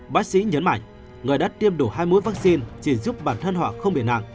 bác sĩ nhấn mạnh người đã tiêm đủ hai mươi vaccine chỉ giúp bản thân họ không bị nặng